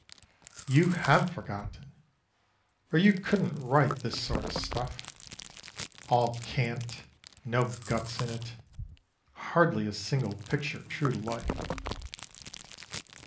... You have forgotten; or you couldn't write This sort of stuff all cant, no guts in it, Hardly a single picture true to life.